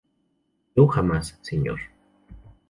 yo, jamás, señor.